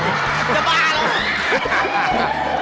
จะบ้าแล้ว